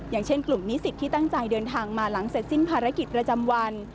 อย่างเช่นกลุ่มนิสิตที่ตั้งใจเดินทางมาหลังเสร็จสิ้นภารกิจประจำวัน